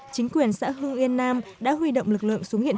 chính quyền xã hương yên nam đã huy động lực lượng xuống hiện đại